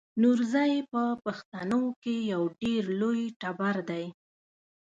نورزی په پښتنو کې یو ډېر لوی ټبر دی.